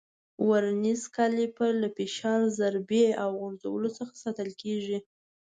ورنیز کالیپر له فشار، ضربې او غورځولو څخه ساتل کېږي.